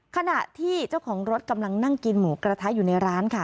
ขณะที่เจ้าของรถกำลังนั่งกินหมูกระทะอยู่ในร้านค่ะ